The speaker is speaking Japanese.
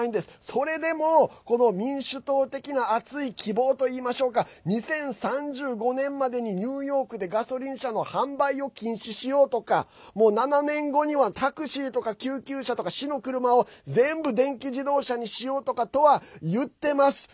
それでも民主党的な熱い希望といいましょうか２０３５年までにニューヨークでガソリン車の販売を禁止しようとか７年後にはタクシーとか救急車とか市の車を全部、電気自動車にしようとかとは言っています。